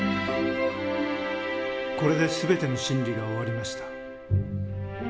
これで全ての審理が終わりました。